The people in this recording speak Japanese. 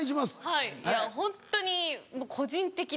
はいホントに個人的な。